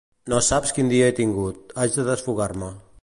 No saps quin dia he tingut, haig de desfogar-me.